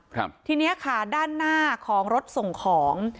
ทีเนี้ยค่ะด้านหน้าของรถส่งของ